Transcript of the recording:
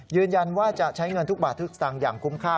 ยืนยันว่าจะใช้เงินทุกบาททุกสตางค์อย่างคุ้มค่า